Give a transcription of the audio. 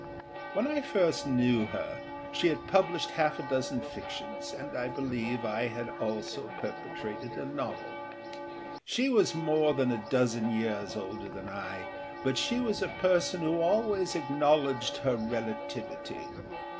When first I knew her she had published half a dozen fictions, and I believe I had also perpetrated a novel. She was more than a dozen years older than I, but she was a person who always acknowledged her relativity.